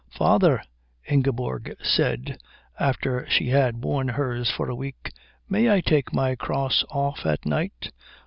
"Father," Ingeborg said, after she had worn hers for a week, "may I take my cross off at night?"